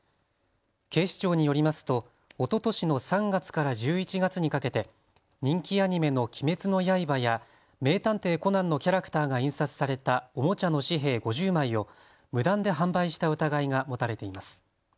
警視庁によりますとおととしの３月から１１月にかけて人気アニメの鬼滅の刃や名探偵コナンのキャラクターが印刷されたおもちゃの紙幣５０枚を無断で販売した疑いが持たれています。